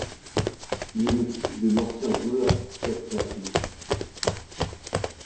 Il est le fils de l'ancien joueur Christophe Patry.